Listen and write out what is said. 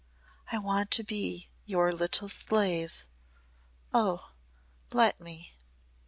"I want to be your little slave. Oh! Let me!"